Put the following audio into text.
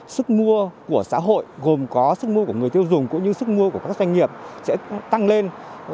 sức mua của xã hội gồm có sức mua của người tiêu dùng cũng như sức mua của các doanh nghiệp sẽ tăng lên